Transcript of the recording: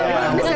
kalau mas dany